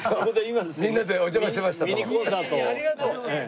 ありがとうございます。